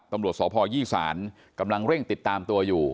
ตำรวจสพยี่สารกำลังเร่งติดตามตัวอยู่